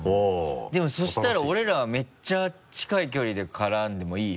でもそしたら俺らめっちゃ近い距離で絡んでもいい？